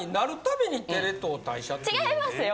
違いますよ。